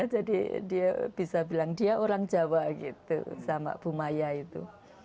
jadi dia bisa bilang dia orang jawa gitu sama bu maya itu